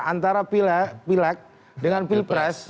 antara pilek dengan pilpres